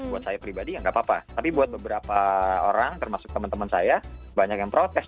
buat saya pribadi ya nggak apa apa tapi buat beberapa orang termasuk teman teman saya banyak yang protes